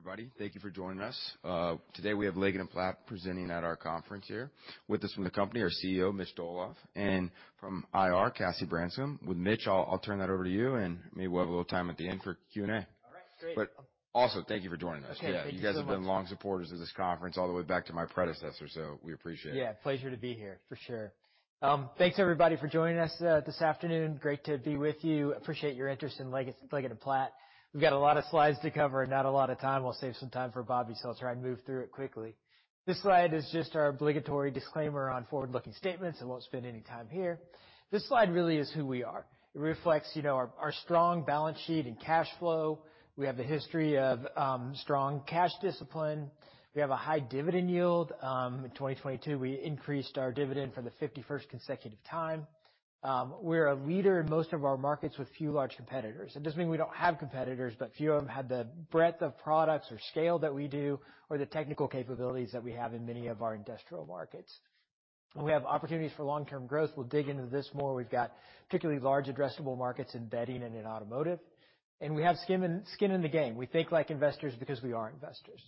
Everybody, thank you for joining us. Today we have Leggett & Platt presenting at our conference here. With us from the company are CEO, Mitch Dolloff, and from IR, Cassie Branscum. With Mitch, I'll turn that over to you, and maybe we'll have a little time at the end for Q&A. All right, great. Also thank you for joining us. Okay. Thank you so much. You guys have been long supporters of this conference all the way back to my predecessor, so we appreciate it. Yeah, pleasure to be here for sure. Thanks everybody for joining us this afternoon. Great to be with you. Appreciate your interest in Leggett & Platt. We've got a lot of slides to cover and not a lot of time. We'll save some time for Bobby so I'd move through it quickly. This slide is just our obligatory disclaimer on forward-looking statements; I won't spend any time here. This slide really is who we are. It reflects, you know, our strong balance sheet and cash flow. We have a history of strong cash discipline. We have a high dividend yield. In 2022, we increased our dividend for the 51st consecutive time. We're a leader in most of our markets with few large competitors. It doesn't mean we don't have competitors. Few of them have the breadth of products or scale that we do, or the technical capabilities that we have in many of our industrial markets. We have opportunities for long-term growth. We'll dig into this more. We've got particularly large addressable markets in bedding and in automotive. We have skin in the game. We think like investors because we are investors.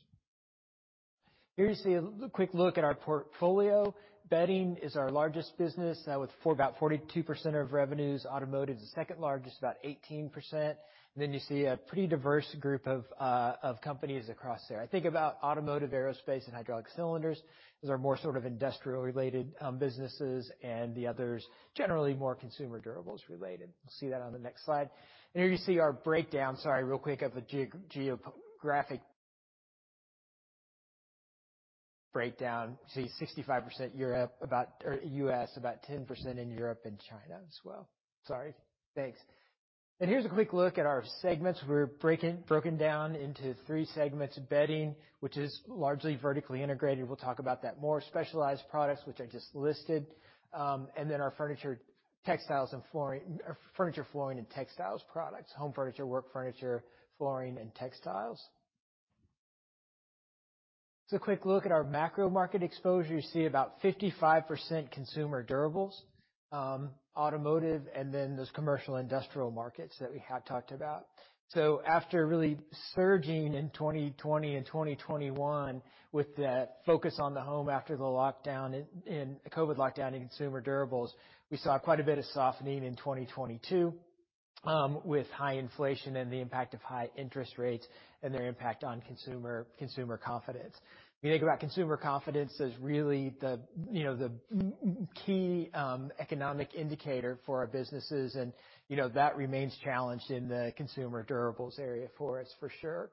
Here you see a quick look at our portfolio. Bedding is our largest business, with about 42% of revenues. Automotive is the second largest, about 18%. You see a pretty diverse group of companies across there. I think about automotive, aerospace, and hydraulic cylinders. Those are more sort of industrial related businesses, and the others, generally more consumer durables related. We'll see that on the next slide. Here you see our breakdown, sorry, real quick, of the geo-geographic breakdown. See 65% Europe, or U.S., about 10% in Europe and China as well. Sorry. Thanks. Here's a quick look at our segments. We're broken down into three segments. Bedding, which is largely vertically integrated. We'll talk about that more. Specialized products, which I just listed. and then our furniture, flooring, and textiles products. Home furniture, work furniture, flooring, and textiles. A quick look at our macro market exposure. You see about 55% consumer durables, automotive, and then those commercial industrial markets that we had talked about. After really surging in 2020 and 2021 with the focus on the home after the lockdown and the COVID lockdown in consumer durables, we saw quite a bit of softening in 2022 with high inflation and the impact of high interest rates and their impact on consumer confidence. When you think about consumer confidence as really the, you know, the key economic indicator for our businesses and, you know, that remains challenged in the consumer durables area for us for sure.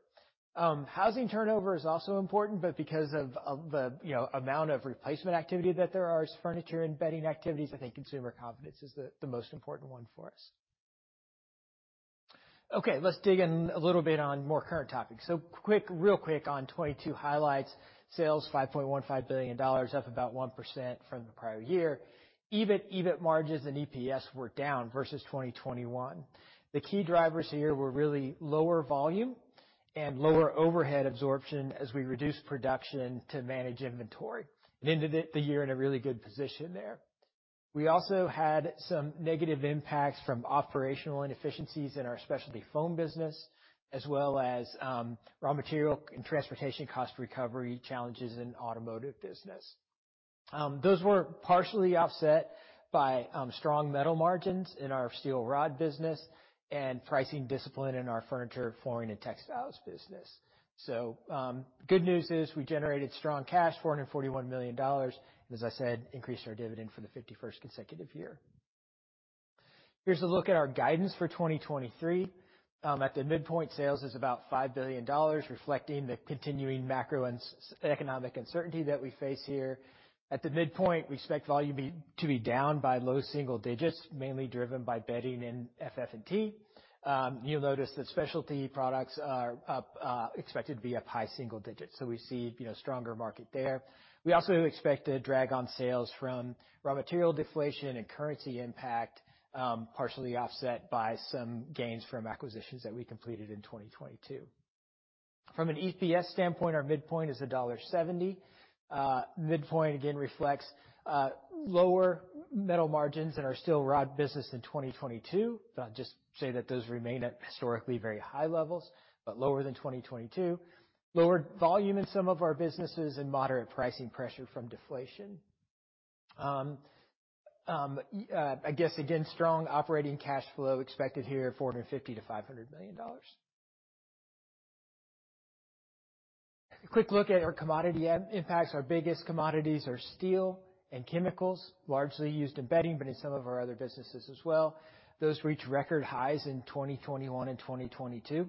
Housing turnover is also important, but because of the, you know, amount of replacement activity that there are as furniture and bedding activities, I think consumer confidence is the most important one for us. Okay, let's dig in a little bit on more current topics. Quick, real quick on 2022 highlights. Sales, $5.15 billion, up about 1% from the prior year. EBIT margins and EPS were down versus 2021. The key drivers here were really lower volume and lower overhead absorption as we reduced production to manage inventory, and ended the year in a really good position there. We also had some negative impacts from operational inefficiencies in our specialty foam business, as well as raw material and transportation cost recovery challenges in automotive business. Those were partially offset by strong metal margins in our steel rod business and pricing discipline in our furniture, flooring, and textiles business. Good news is we generated strong cash, $441 million. As I said, increased our dividend for the 51st consecutive year. Here's a look at our guidance for 2023. At the midpoint, sales is about $5 billion, reflecting the continuing macro and economic uncertainty that we face here. At the midpoint, we expect volume to be down by low single digits, mainly driven by bedding and FF&T. You'll notice that specialty products are up, expected to be up high single digits. We see, you know, stronger market there. We also expect a drag on sales from raw material deflation and currency impact, partially offset by some gains from acquisitions that we completed in 2022. From an EPS standpoint, our midpoint is $1.70. Midpoint again reflects lower metal margins in our steel rod business in 2022. I'll just say that those remain at historically very high levels, but lower than 2022. Lower volume in some of our businesses and moderate pricing pressure from deflation. I guess again, strong operating cash flow expected here, $450 million-$500 million. A quick look at our commodity impacts. Our biggest commodities are steel and chemicals, largely used in bedding, but in some of our other businesses as well. Those reach record highs in 2021 and 2022.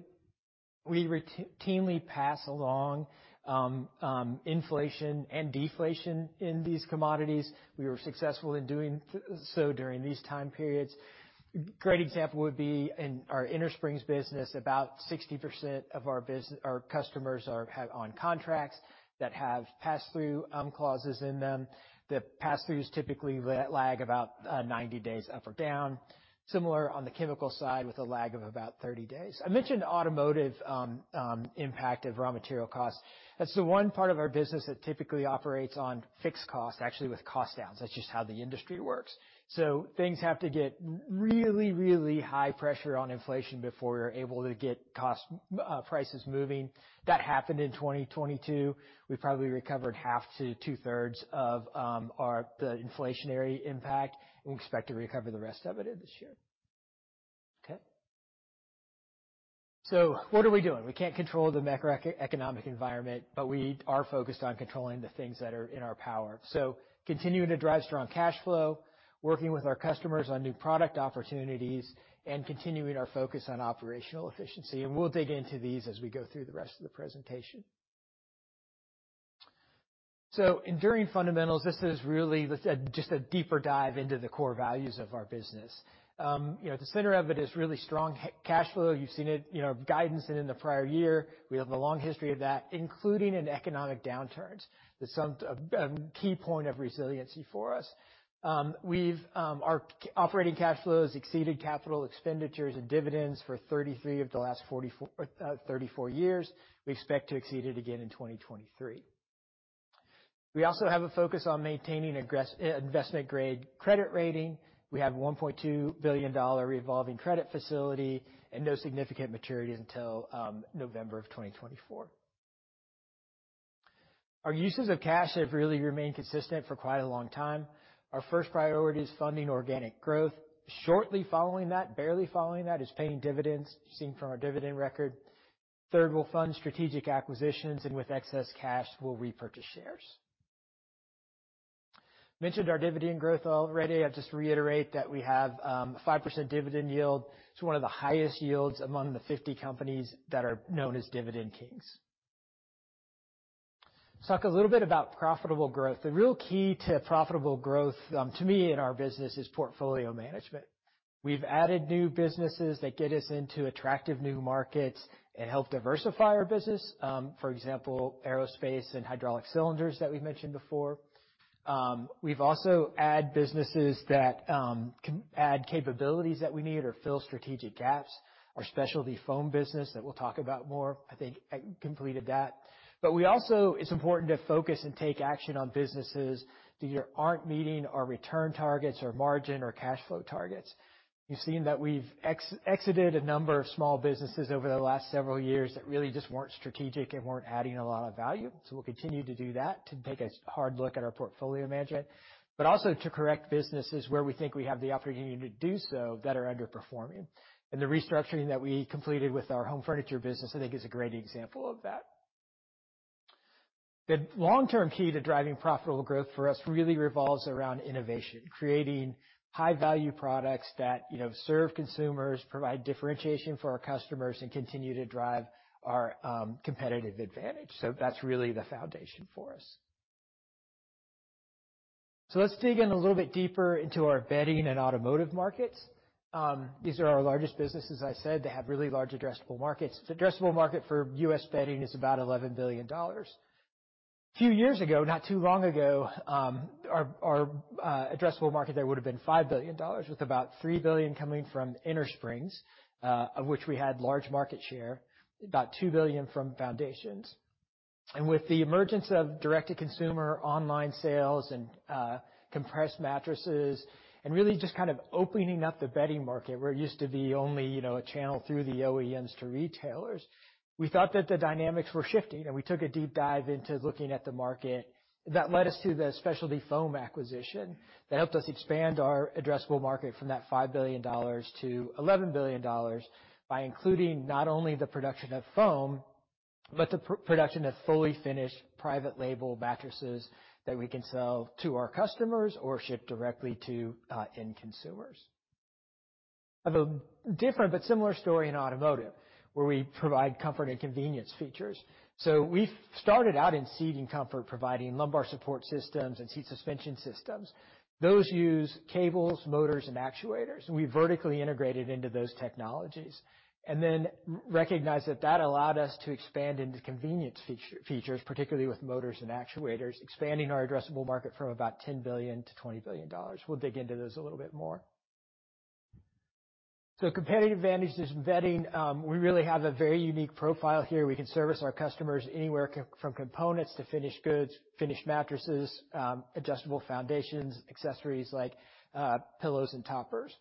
We routinely pass along inflation and deflation in these commodities. We were successful in doing so during these time periods. Great example would be in our innersprings business, about 60% of our customers are, have on contracts that have pass-through clauses in them. The pass-throughs typically lag about 90 days up or down. Similar on the chemical side with a lag of about 30 days. I mentioned automotive impact of raw material costs. That's the one part of our business that typically operates on fixed costs, actually with cost downs. That's just how the industry works. Things have to get really, really high pressure on inflation before we're able to get cost prices moving. That happened in 2022. We probably recovered 1/2 to 2/3 of the inflationary impact and expect to recover the rest of it this year. Okay. What are we doing? We can't control the macroeconomic environment, but we are focused on controlling the things that are in our power. Continuing to drive strong cash flow, working with our customers on new product opportunities, and continuing our focus on operational efficiency. We'll dig into these as we go through the rest of the presentation. Enduring fundamentals. This is really just a deeper dive into the core values of our business. You know, the center of it is really strong cash flow. You've seen it, you know, guidance and in the prior year, we have a long history of that, including in economic downturns. That's a key point of resiliency for us. Our operating cash flows exceeded capital expenditures and dividends for 33 of the last 44, 34 years. We expect to exceed it again in 2023. We also have a focus on maintaining investment-grade credit rating. We have a $1.2 billion revolving credit facility and no significant maturities until November of 2024. Our uses of cash have really remained consistent for quite a long time. Our first priority is funding organic growth. Shortly following that, barely following that, is paying dividends, seen from our dividend record. Third, we'll fund strategic acquisitions. With excess cash, we'll repurchase shares. Mentioned our dividend growth already. I'll just reiterate that we have 5% dividend yield. It's one of the highest yields among the 50 companies that are known as Dividend Kings. Let's talk a little bit about profitable growth. The real key to profitable growth, to me in our business is portfolio management. We've added new businesses that get us into attractive new markets and help diversify our business. For example, aerospace and hydraulic cylinders that we've mentioned before. We've also add businesses that can add capabilities that we need or fill strategic gaps. Our specialty foam business that we'll talk about more, I think completed that. It's important to focus and take action on businesses that aren't meeting our return targets or margin or cash flow targets. You've seen that we've exited a number of small businesses over the last several years that really just weren't strategic and weren't adding a lot of value. We'll continue to do that, to take a hard look at our portfolio management, but also to correct businesses where we think we have the opportunity to do so that are underperforming. The restructuring that we completed with our home furniture business, I think, is a great example of that. The long-term key to driving profitable growth for us really revolves around innovation, creating high-value products that, you know, serve consumers, provide differentiation for our customers, and continue to drive our competitive advantage. That's really the foundation for us. Let's dig in a little bit deeper into our bedding and automotive markets. These are our largest businesses. As I said, they have really large addressable markets. The addressable market for U.S. bedding is about $11 billion. A few years ago, not too long ago, our addressable market there would have been $5 billion, with about $3 billion coming from innersprings, of which we had large market share, about $2 billion from foundations. With the emergence of direct-to-consumer online sales and compressed mattresses, and really just kind of opening up the bedding market, where it used to be only, you know, a channel through the OEMs to retailers, we thought that the dynamics were shifting, and we took a deep dive into looking at the market. That led us to the specialty foam acquisition that helped us expand our addressable market from that $5 billion to $11 billion by including not only the production of foam, but the production of fully finished private label mattresses that we can sell to our customers or ship directly to end consumers. Have a different but similar story in automotive, where we provide comfort and convenience features. We started out in seating comfort, providing lumbar support systems and seat suspension systems. Those use cables, motors, and actuators, and we vertically integrated into those technologies and then recognized that that allowed us to expand into convenience features, particularly with motors and actuators, expanding our addressable market from about $10 billion to $20 billion. We'll dig into those a little bit more. Competitive advantages in bedding, we really have a very unique profile here. We can service our customers anywhere from components to finished goods, finished mattresses, adjustable foundations, accessories like pillows and toppers.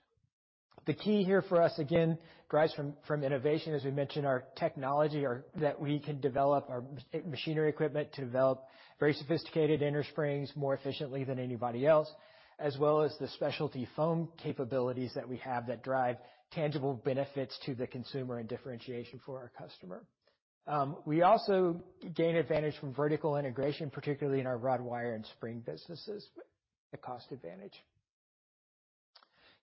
The key here for us, again, derives from innovation, as we mentioned, our technology or that we can develop our machinery equipment to develop very sophisticated innersprings more efficiently than anybody else, as well as the specialty foam capabilities that we have that drive tangible benefits to the consumer and differentiation for our customer. We also gain advantage from vertical integration, particularly in our rod wire and spring businesses, a cost advantage.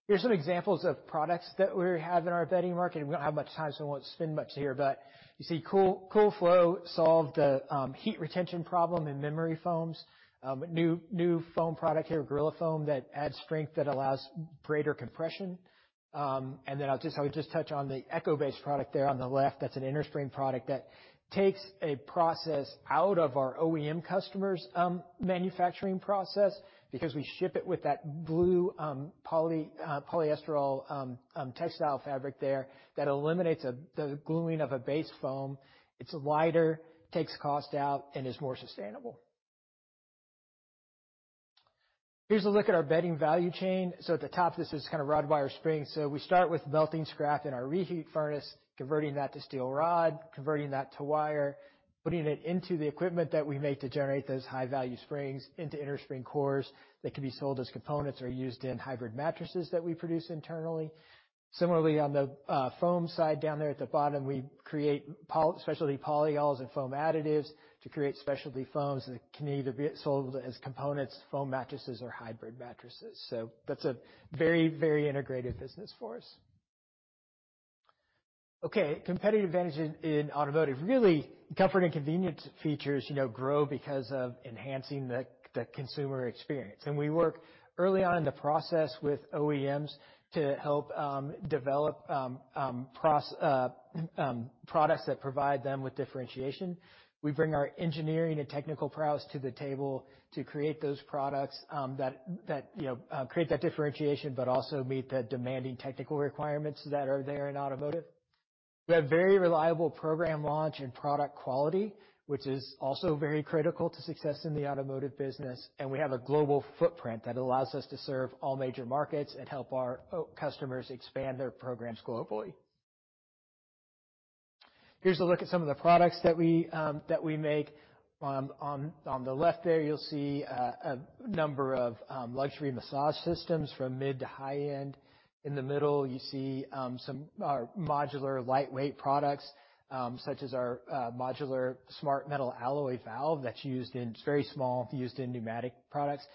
Here's some examples of products that we have in our bedding market. We don't have much time, so I won't spend much here. You see CoolFlow solved the heat retention problem in memory foams. A new foam product here, Gorilla Foam, that adds strength that allows greater compression. I will just touch on the Eco-Base product there on the left. That's an innerspring product that takes a process out of our OEM customers' manufacturing process because we ship it with that blue polyester textile fabric there that eliminates the gluing of a base foam. It's lighter, takes cost out, and is more sustainable. Here's a look at our bedding value chain. At the top, this is kind of rod wire springs. We start with melting scrap in our reheat furnace, converting that to steel rod, converting that to wire, putting it into the equipment that we make to generate those high-value springs into innerspring cores that can be sold as components or used in hybrid mattresses that we produce internally. Similarly, on the foam side down there at the bottom, we create specialty polyols and foam additives to create specialty foams that can either be sold as components, foam mattresses or hybrid mattresses. That's a very, very integrated business for us. Okay, competitive advantage in automotive. Really comfort and convenience features, you know, grow because of enhancing the consumer experience. We work early on in the process with OEMs to help develop products that provide them with differentiation. We bring our engineering and technical prowess to the table to create those products that, you know, create that differentiation, but also meet the demanding technical requirements that are there in automotive. We have very reliable program launch and product quality, which is also very critical to success in the automotive business, and we have a global footprint that allows us to serve all major markets and help our customers expand their programs globally. Here's a look at some of the products that we make. On the left there, you'll see a number of luxury massage systems from mid to high-end. In the middle, you see some modular lightweight products, such as our Modular Smart Metal Alloy Valve that's used in very small, used in pneumatic products.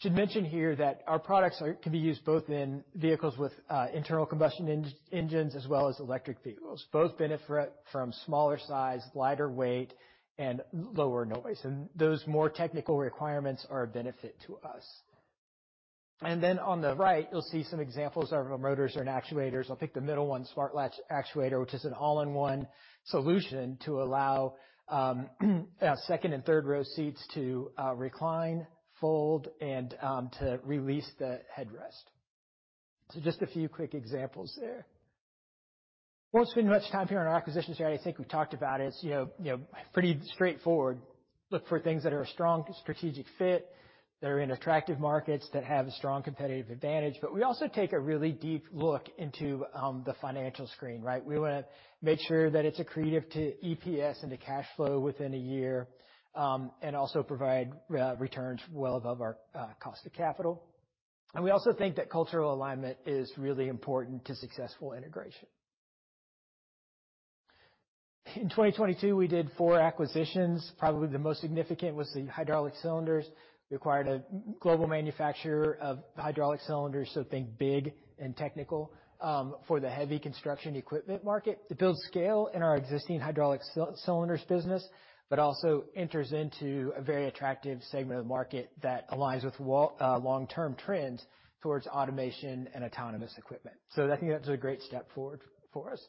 Should mention here that our products can be used both in vehicles with internal combustion engines as well as electric vehicles. Both benefit from smaller size, lighter weight, and lower noise. Those more technical requirements are a benefit to us. On the right, you'll see some examples of our motors and actuators. I'll pick the middle one, Smart Latch Actuator, which is an all-in-one solution to allow second and third-row seats to recline, fold, and to release the headrest. Just a few quick examples there. Won't spend much time here on our acquisitions here. I think we've talked about it. It's, you know, pretty straightforward. Look for things that are a strong strategic fit, that are in attractive markets, that have a strong competitive advantage. We also take a really deep look into the financial screen, right? We wanna make sure that it's accretive to EPS and to cash flow within a year and also provide returns well above our cost of capital. We also think that cultural alignment is really important to successful integration. In 2022, we did four acquisitions. Probably the most significant was the hydraulic cylinders. We acquired a global manufacturer of hydraulic cylinders, so think big and technical, for the heavy construction equipment market to build scale in our existing hydraulic cylinders business, but also enters into a very attractive segment of the market that aligns with long-term trends towards automation and autonomous equipment. I think that's a great step forward for us.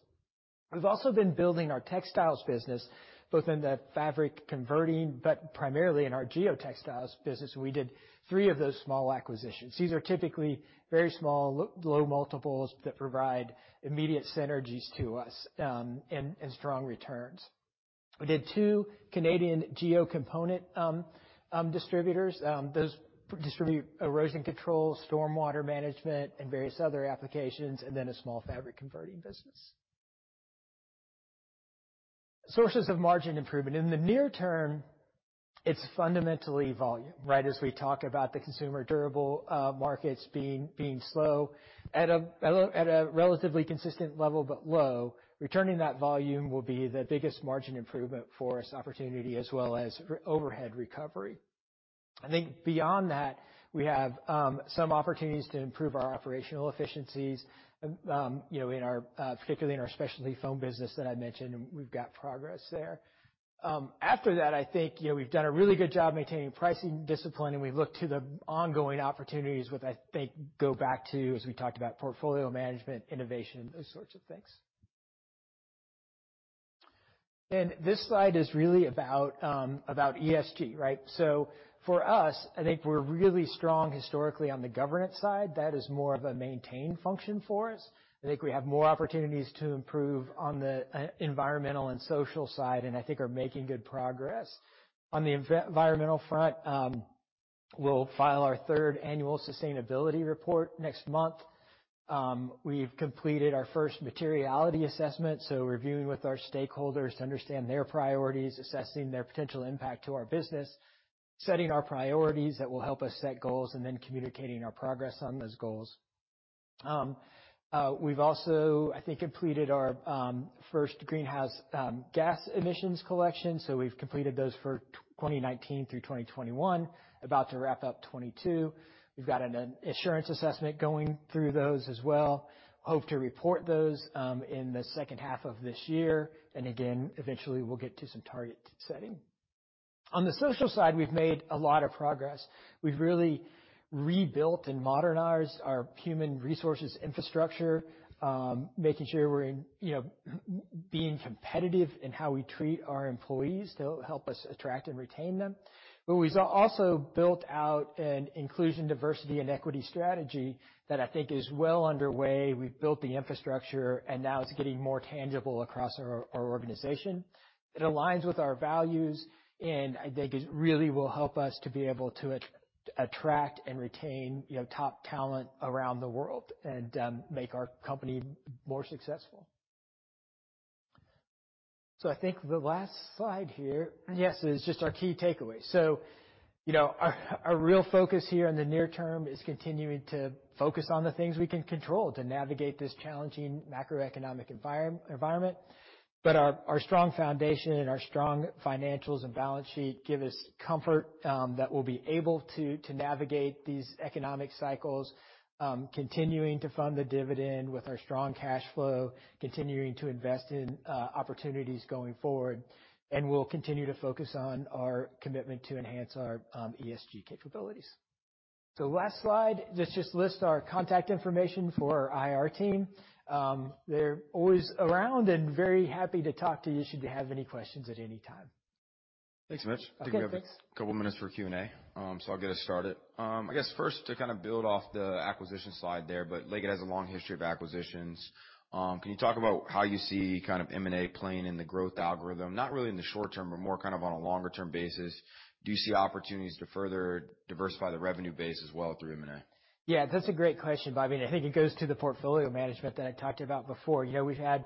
We've also been building our textiles business, both in the fabric converting, but primarily in our geotextiles business. We did three of those small acquisitions. These are typically very small low multiples that provide immediate synergies to us and strong returns. We did two Canadian geocomponent distributors, those distribute erosion control, storm water management, and various other applications, and then a small fabric converting business. Sources of margin improvement. In the near term, it's fundamentally volume, right? As we talk about the consumer durable markets being slow at a relatively consistent level but low, returning that volume will be the biggest margin improvement for us, opportunity as well as for overhead recovery. I think beyond that, we have some opportunities to improve our operational efficiencies, you know, in our particularly in our specialty foam business that I mentioned, and we've got progress there. After that, I think, you know, we've done a really good job maintaining pricing discipline, and we've looked to the ongoing opportunities, which I think go back to, as we talked about, portfolio management, innovation, those sorts of things. This slide is really about ESG, right? For us, I think we're really strong historically on the governance side. That is more of a maintain function for us. I think we have more opportunities to improve on the environmental and social side, and I think are making good progress. On the environmental front, we'll file our third annual sustainability report next month. We've completed our first materiality assessment, so reviewing with our stakeholders to understand their priorities, assessing their potential impact to our business, setting our priorities that will help us set goals, and then communicating our progress on those goals. We've also, I think, completed our first greenhouse gas emissions collection. We've completed those for 2019 through 2021, about to wrap up 2022. We've got an insurance assessment going through those as well. Hope to report those in the second half of this year. Again, eventually, we'll get to some target setting. On the social side, we've made a lot of progress. We've really rebuilt and modernized our human resources infrastructure, making sure we're in, you know, being competitive in how we treat our employees to help us attract and retain them. We've also built out an inclusion, diversity, and equity strategy that I think is well underway. We've built the infrastructure, now it's getting more tangible across our organization. It aligns with our values, I think it really will help us to be able to attract and retain, you know, top talent around the world and make our company more successful. I think the last slide here, yes, is just our key takeaway. You know, our real focus here in the near term is continuing to focus on the things we can control to navigate this challenging macroeconomic environment. Our strong foundation and our strong financials and balance sheet give us comfort that we'll be able to navigate these economic cycles, continuing to fund the dividend with our strong cash flow, continuing to invest in opportunities going forward. We'll continue to focus on our commitment to enhance our ESG capabilities. Last slide, this just lists our contact information for our IR team. They're always around and very happy to talk to you should you have any questions at any time. Thanks, Mitch. Okay, thanks. I think we have a couple minutes for Q&A. I'll get us started. I guess first to kind of build off the acquisition slide there. Leggett has a long history of acquisitions. Can you talk about how you see kind of M&A playing in the growth algorithm? Not really in the short term, but more kind of on a longer term basis. Do you see opportunities to further diversify the revenue base as well through M&A? That's a great question, Bobby, and I think it goes to the portfolio management that I talked about before. You know, we've had,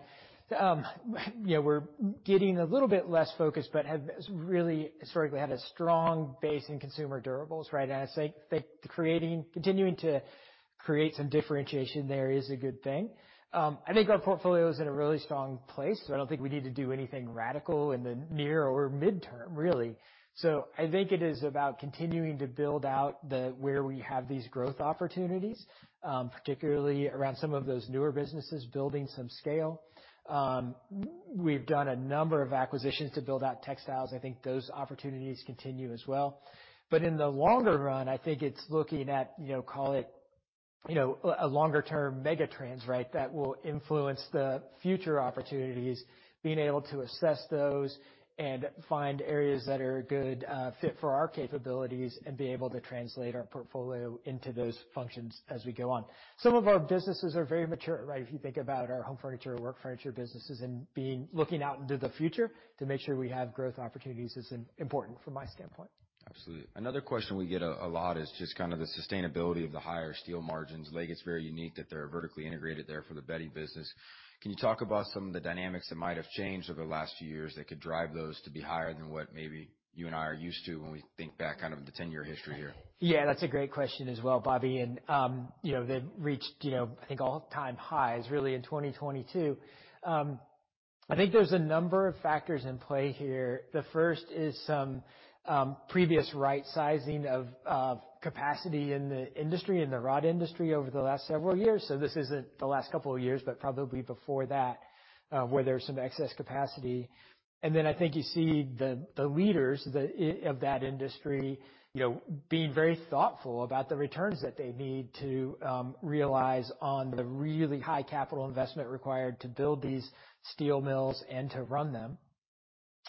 you know, we're getting a little bit less focused, but have really historically had a strong base in consumer durables, right? I think that continuing to create some differentiation there is a good thing. I think our portfolio is in a really strong place, so I don't think we need to do anything radical in the near or midterm, really. I think it is about continuing to build out the where we have these growth opportunities, particularly around some of those newer businesses building some scale. We've done a number of acquisitions to build out textiles. I think those opportunities continue as well. In the longer run, I think it's looking at, you know, call it, you know, a longer term megatrends, right? That will influence the future opportunities, being able to assess those and find areas that are a good fit for our capabilities and be able to translate our portfolio into those functions as we go on. Some of our businesses are very mature, right? If you think about our home furniture, work furniture businesses and looking out into the future to make sure we have growth opportunities is important from my standpoint. Absolutely. Another question we get a lot is just kind of the sustainability of the higher steel margins. Leggett's very unique that they're vertically integrated there for the bedding business. Can you talk about some of the dynamics that might have changed over the last few years that could drive those to be higher than what maybe you and I are used to when we think back kind of the 10-year history here? Yeah, that's a great question as well, Bobby. You know, they've reached, you know, I think all-time highs really in 2022. I think there's a number of factors in play here. The first is some previous right sizing of capacity in the industry, in the rod industry over the last several years. This isn't the last couple of years, but probably before that, where there's some excess capacity. I think you see the leaders of that industry, you know, being very thoughtful about the returns that they need to realize on the really high capital investment required to build these steel mills and to run them.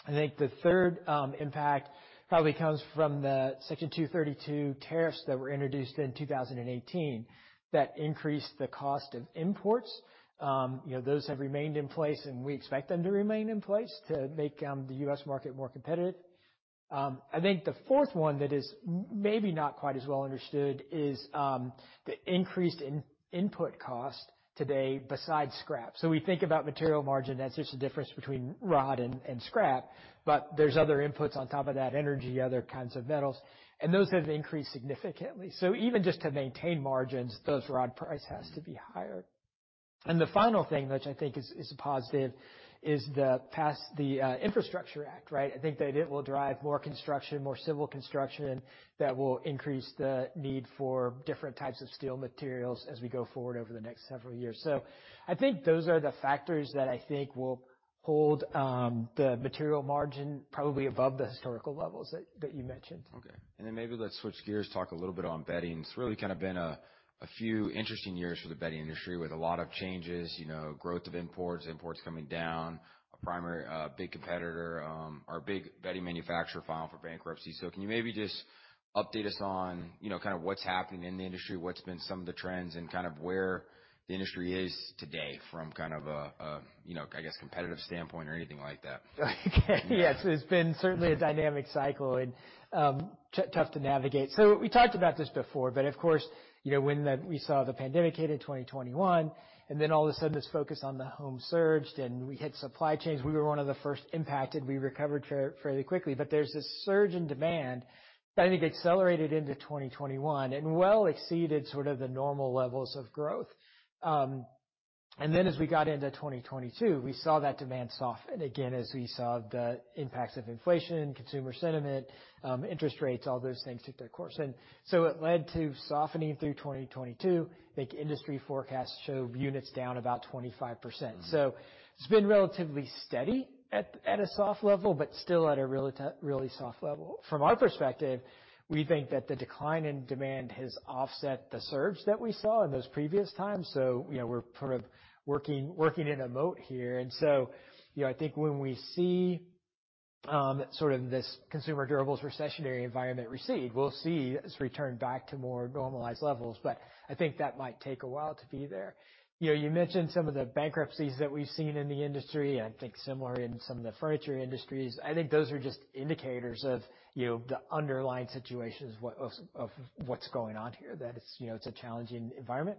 I think the third impact probably comes from the Section 232 tariffs that were introduced in 2018 that increased the cost of imports. You know, those have remained in place, and we expect them to remain in place to make the U.S. market more competitive. I think the fourth one that is maybe not quite as well understood is the increased input cost today besides scrap. We think about material margin as just the difference between rod and scrap, but there's other inputs on top of that, energy, other kinds of metals, and those have increased significantly. Even just to maintain margins, the rod price has to be higher. The final thing, which I think is a positive, is the Infrastructure Act, right? I think that it will drive more construction, more civil construction, that will increase the need for different types of steel materials as we go forward over the next several years. I think those are the factors that I think will hold the material margin probably above the historical levels that you mentioned. Okay. Maybe let's switch gears, talk a little bit on bedding. It's really kind of been a few interesting years for the bedding industry with a lot of changes, you know, growth of imports coming down, a primary big competitor, or big bedding manufacturer filing for bankruptcy. Can you maybe just update us on, you know, kind of what's happening in the industry, what's been some of the trends, and kind of where the industry is today from kind of a, you know, I guess, competitive standpoint or anything like that? Yes. It's been certainly a dynamic cycle and, tough to navigate. We talked about this before, but of course, you know, when the, we saw the pandemic hit in 2021, and then all of a sudden this focus on the home surged, and we had supply chains. We were one of the first impacted. We recovered fairly quickly. There's this surge in demand that I think accelerated into 2021 and well exceeded sort of the normal levels of growth. As we got into 2022, we saw that demand soften again as we saw the impacts of inflation, consumer sentiment, interest rates, all those things took their course. It led to softening through 2022. I think industry forecasts show units down about 25%. It's been relatively steady at a soft level, but still at a really soft level. From our perspective, we think that the decline in demand has offset the surge that we saw in those previous times. You know, we're sort of working in a moat here. You know, I think when we see sort of this consumer durables recessionary environment recede, we'll see us return back to more normalized levels, I think that might take a while to be there. You know, you mentioned some of the bankruptcies that we've seen in the industry, I think similar in some of the furniture industries. I think those are just indicators of, you know, the underlying situations what's going on here, that it's, you know, it's a challenging environment.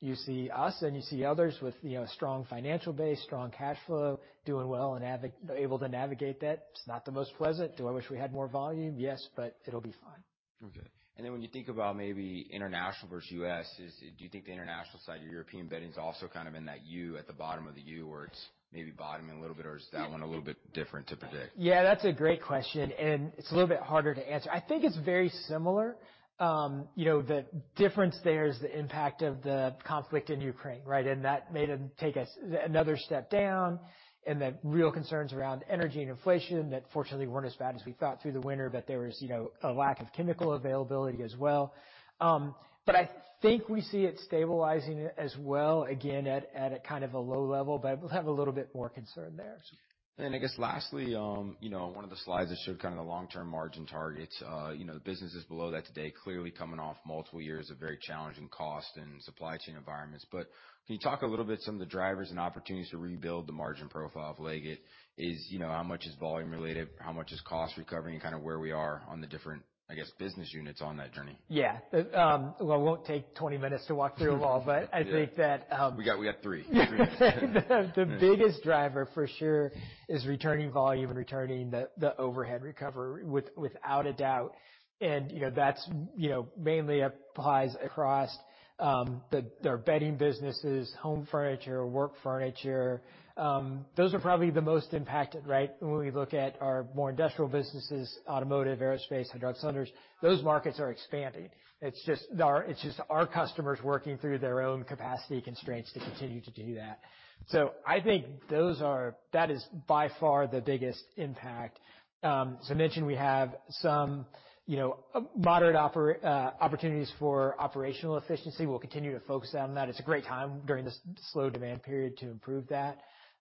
You see us and you see others with, you know, strong financial base, strong cash flow, doing well and able to navigate that. It's not the most pleasant. Do I wish we had more volume? Yes, it'll be fine. Okay. Then when you think about maybe international versus U.S., do you think the international side, your European bedding is also kind of in that U at the bottom of the U where it's maybe bottoming a little bit? Or is that one a little bit different to predict? Yeah, that's a great question, and it's a little bit harder to answer. I think it's very similar. You know, the difference there is the impact of the conflict in Ukraine, right? That made them take us another step down and the real concerns around energy and inflation that fortunately weren't as bad as we thought through the winter, but there was, you know, a lack of chemical availability as well. I think we see it stabilizing as well, again, at a kind of a low level, but we'll have a little bit more concern there. I guess lastly, you know, one of the slides that showed kind of the long-term margin targets, you know, the business is below that today, clearly coming off multiple years of very challenging cost and supply chain environments. Can you talk a little bit some of the drivers and opportunities to rebuild the margin profile of Leggett? Is, you know, how much is volume related, how much is cost recovery and kind of where we are on the different, I guess, business units on that journey? Yeah. Well, I won't take 20 minutes to walk through them all, but I think that. We got three. Three minutes. The biggest driver for sure is returning volume, returning the overhead recovery, without a doubt. you know, that's mainly applies across their bedding businesses, home furniture, work furniture. Those are probably the most impacted, right? When we look at our more industrial businesses, automotive, aerospace, hydraulics cylinders, those markets are expanding. It's just our customers working through their own capacity constraints to continue to do that. I think that is by far the biggest impact. As I mentioned, we have some, you know, moderate opportunities for operational efficiency. We'll continue to focus on that. It's a great time during this slow demand period to improve that.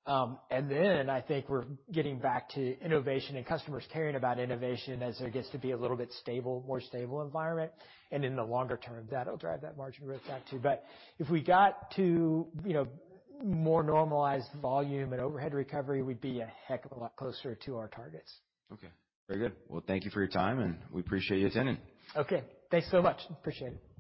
I think we're getting back to innovation and customers caring about innovation as there gets to be a little bit stable, more stable environment. In the longer term, that'll drive that margin growth back, too. If we got to, you know, more normalized volume and overhead recovery, we'd be a heck of a lot closer to our targets. Okay. Very good. Well, thank you for your time, and we appreciate you attending. Okay. Thanks so much. Appreciate it.